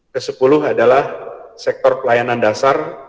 kesepuluh adalah sektor pelayanan dasar